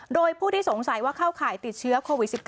โดยผู้ที่สงสัยว่าเข้าข่ายติดเชื้อโควิด๑๙